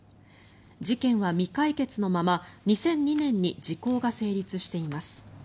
事件は未解決のまま２００２年に時効が成立しています。